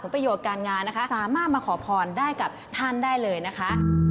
ประโยชน์การงานนะคะสามารถมาขอพรได้กับท่านได้เลยนะคะ